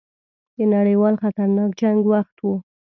د نړیوال خطرناک جنګ وخت وو.